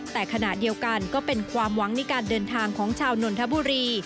แต่ขณะเดียวกันก็เป็นความหวังในการเดินทางของชาวนนทบุรี